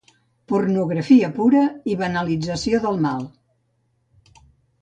Pornografia pura i banalització del mal.